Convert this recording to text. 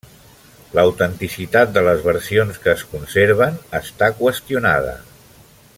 L'autenticitat de les versions que es conserven està qüestionada.